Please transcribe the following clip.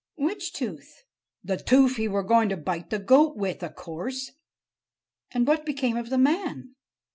"Which tooth?" "The toof he were going to bite the goat with, a course!" "And what became of the man?"